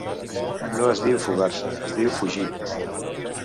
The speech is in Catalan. No es diu fugar-se, es diu fugir.